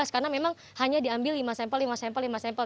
karena memang hanya diambil lima sampel lima sampel lima sampel